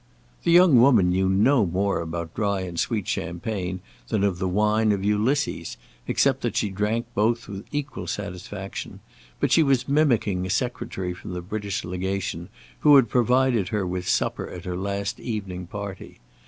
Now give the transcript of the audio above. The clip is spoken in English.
The young woman knew no more about dry and sweet champagne than of the wine of Ulysses, except that she drank both with equal satisfaction, but she was mimicking a Secretary of the British Legation who had provided her with supper at her last evening party.